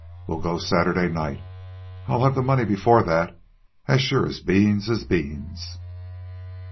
We'll go Saturday night. I'll have the money before that, as sure as beans is beans."